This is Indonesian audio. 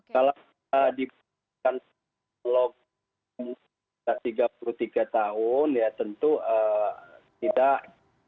kalau diperlukan log tiga puluh tiga tahun ya tentu tidak